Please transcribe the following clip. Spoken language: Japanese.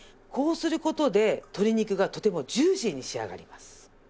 こうする事で鶏肉がとてもジューシーに仕上がります。